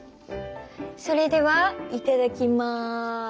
それではいただきま。